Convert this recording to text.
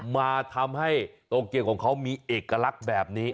มาทำให้โตเกียวของเขามีเอกลักษณ์แบบนี้